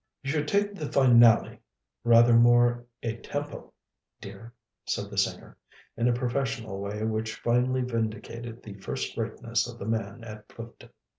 "You should take the finale rather more à tempo, dear," said the singer, in a professional way which finally vindicated the first rateness of the man at Clifton.